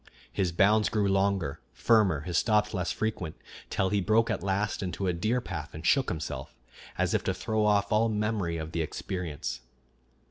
His bounds grew longer, firmer, his stops less frequent, till he broke at last into a deer path and shook himself, as if to throw off all memory of the experience.